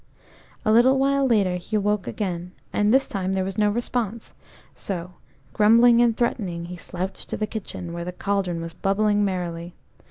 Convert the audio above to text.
A little while later he woke again, and this time there was no response, so grumbling and threatening, he slouched to the kitchen, where the cauldron was bubbling merrily.